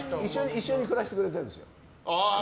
一緒に暮らしてくれてるんですよ。